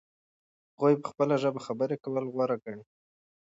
هغوی په خپله ژبه خبرې کول غوره ګڼي.